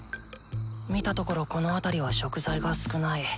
見たところこの辺りは食材が少ない。